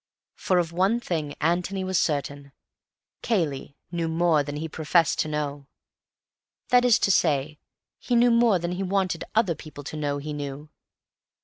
For of one thing Antony was certain. Cayley knew more than he professed to know. That is to say, he knew more than he wanted other people to know he knew.